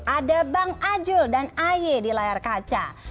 ada bang ajul dan aye di layar kaca